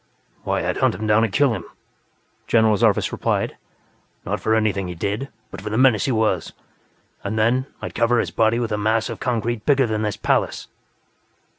"Why, I'd hunt him down and kill him," General Zarvas replied. "Not for anything he did, but for the menace he was. And then, I'd cover his body with a mass of concrete bigger than this palace."